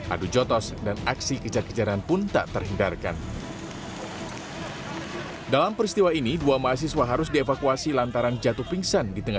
adu jotos dan aksi kejar kejaran pun tak terhitung